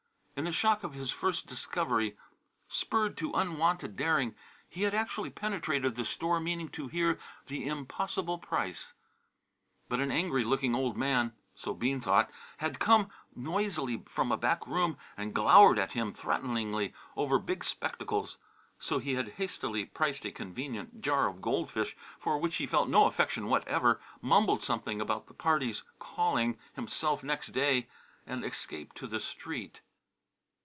In the shock of his first discovery, spurred to unwonted daring, he had actually penetrated the store meaning to hear the impossible price. But an angry looking old man (so Bean thought) had come noisily from a back room and glowered at him threateningly over big spectacles. So he had hastily priced a convenient jar of goldfish for which he felt no affection whatever, mumbled something about the party's calling, himself, next day, and escaped to the street.